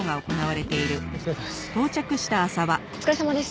お疲れさまです。